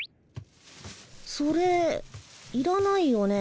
それいらないよね？